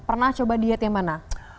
pernah coba diet yang mana